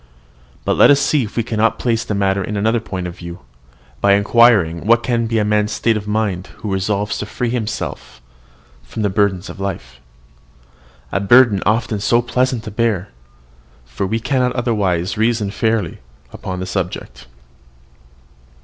But let us see if we cannot place the matter in another point of view, by inquiring what can be a man's state of mind who resolves to free himself from the burden of life, a burden often so pleasant to bear, for we cannot otherwise reason fairly upon the subject.